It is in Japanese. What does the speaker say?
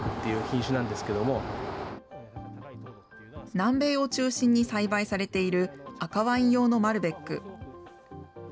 南米を中心に栽培されている赤ワイン用のマルベック。